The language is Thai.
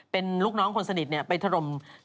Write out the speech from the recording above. เป็นลูกน้องคนสนิทไปถล่ม